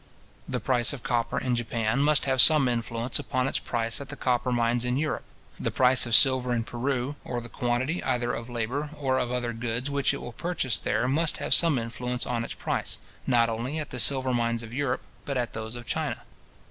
The price of copper in Japan must have some influence upon its price at the copper mines in Europe. The price of silver in Peru, or the quantity either of labour or of other goods which it will purchase there, must have some influence on its price, not only at the silver mines of Europe, but at those of China.